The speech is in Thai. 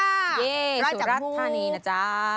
เย่สุราธานีนะจ้า